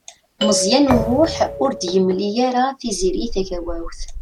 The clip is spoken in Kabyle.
Meẓyan U Muḥ ur d-yemli ara Tiziri Tagawawt.